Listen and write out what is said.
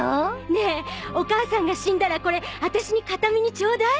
ねえお母さんが死んだらこれあたしに形見にちょうだい。